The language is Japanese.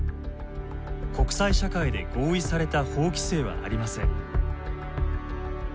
国際社会で合意された法規制はありません。